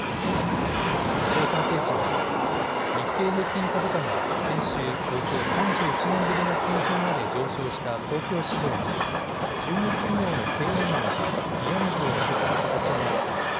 市場関係者は日経平均株価が先週、およそ３１年ぶりの水準まで上昇した東京市場に中国企業の経営難が冷や水を浴びせた形になった。